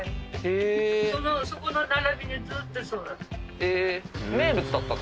そこの並びずっとそうだった。